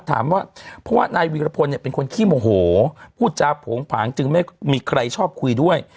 ถามว่าเพราะว่านายวีรพลเนี่ยเป็นคนขี้โมโหพูดจาโผงผางจึงไม่มีใครชอบคุยด้วย